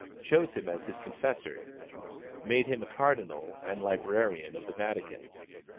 chose him as his confessor, made him a cardinal and librarian of the Vatican.